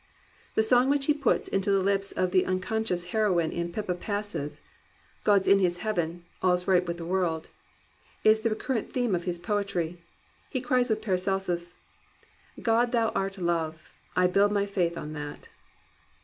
The song which he puts into the lips of the uncon scious heroine in Pippa Passes, — "God's in his heaven All's right with the world, " is the recurrent theme of his poetry. He cries with Paracelsus, " God thou art Love, I build my faith on that."